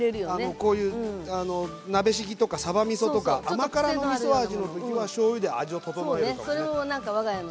こういう鍋しぎとかさばみそとか甘辛のみそ味の時はしょうゆで味を調えるかもね。